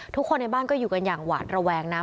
ทุกคนในบ้านก็อยู่กันอย่างหวาดระแวงนะ